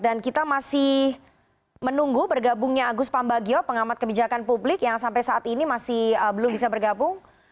dan kita masih menunggu bergabungnya agus pambagio pengamat kebijakan publik yang sampai saat ini masih belum bisa bergabung